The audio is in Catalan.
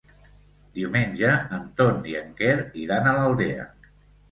Diumenge en Ton i en Quer iran a l'Aldea.